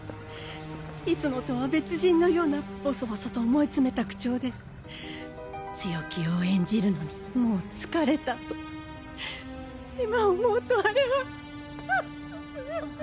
いつもとは別人のようなボソボソと思いつめた口調で強気を演じるのにもう疲れたと今思うとあれはうう。